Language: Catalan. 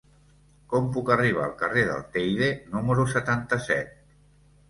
Com puc arribar al carrer del Teide número setanta-set?